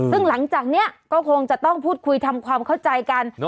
ซึ่งหลังจากนี้ก็คงจะต้องพูดคุยทำความเข้าใจกัน